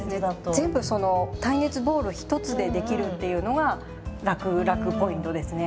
全部その耐熱ボウル１つで出来るっていうのがラクラクポイントですね。